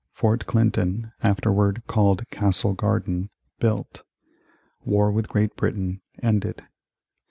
Fort Clinton (afterward called Castle Garden) built War with Great Britain ended 1823.